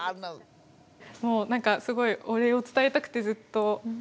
もう何かすごいお礼を伝えたくてずっと。